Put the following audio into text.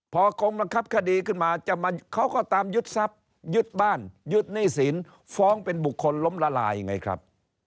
พอกรมบังคับคดีขึ้นมาเขาก็ตามยึดทรัพย์ยึดบ้านยึดหนี้สินฟ้องเป็นบุคคลล้มละลายไงครับ